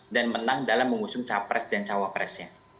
dan menang dalam mengusung capres dan jucawa presnya